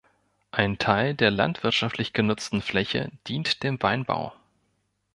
Ein Teil der landwirtschaftlich genutzten Fläche dient dem Weinbau.